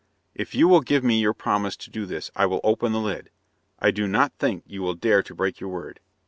"If you will give me your promise to do this, I will open the lid. I do not think you will dare to break your word."